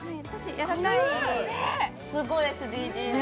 やわらかいすごいＳＤＧｓ